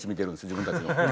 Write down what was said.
自分たちの。